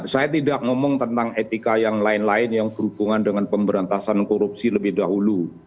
saya tidak ngomong tentang etika yang lain lain yang berhubungan dengan pemberantasan korupsi lebih dahulu